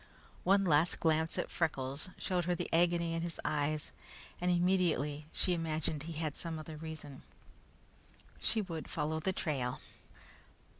One last glance at Freckles showed her the agony in his eyes, and immediately she imagined he had some other reason. She would follow the trail.